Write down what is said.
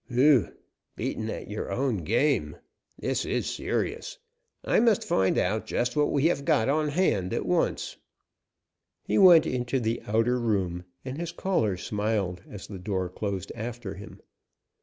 "Whew! Beaten at your own game. This is serious; I must find out just what we have got on hand at once." He went into the outer room, and his caller smiled as the door closed after him.